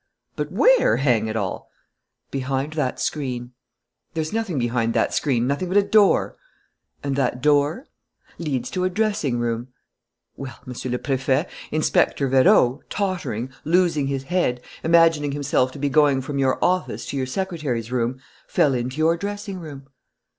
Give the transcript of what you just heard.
"But where, hang it all?" "Behind that screen." "There's nothing behind that screen, nothing but a door." "And that door ?" "Leads to a dressing room." "Well, Monsieur le Préfet, Inspector Vérot, tottering, losing his head, imagining himself to be going from your office to your secretary's room, fell into your dressing room."